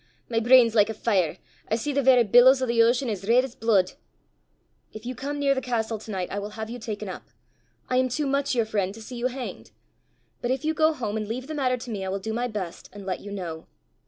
My brain 's like a fire: I see the verra billows o' the ocean as reid 's blude." "If you come near the castle to night, I will have you taken up. I am too much your friend to see you hanged! But if you go home and leave the matter to me, I will do my best, and let you know.